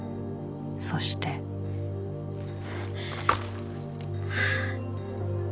そしてハァハァ。